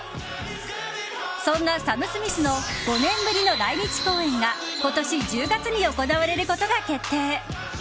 そんなサム・スミスの５年ぶりの来日公演が今年１０月に行われることが決定。